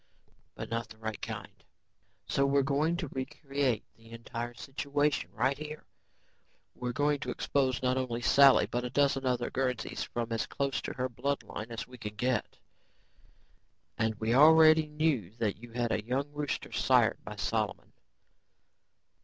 But not the right kind. "So we're going to recreate the entire situation right here, only this time, we're going to expose not only Sally but a dozen other Guernseys from as close to her blood line as we can get. "And we already knew that you had a young rooster sired by Solomon."